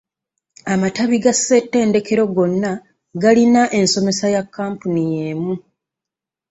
Amatabi ga ssematendekero gonna galina ensomesa ya kampuni yemu.